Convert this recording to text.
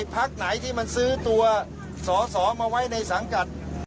ไอ้ปั๊กไหนที่มันซื้อตัวศอมาไว้ในสังกัด